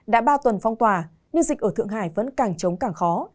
đã ba tuần phong tỏa nhưng dịch ở thượng hải vẫn càng chống càng khó